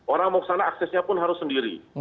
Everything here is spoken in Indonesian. orang mau ke sana aksesnya pun harus sendiri